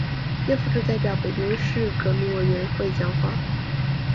谢富治代表北京市革命委员会讲话。